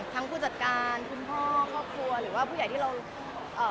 ผู้จัดการคุณพ่อครอบครัวหรือว่าผู้ใหญ่ที่เราเอ่อ